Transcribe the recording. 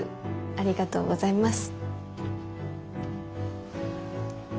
ありがとうございます。